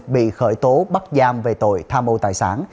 bị khởi tố bắt giam về tội tham mâu tài sản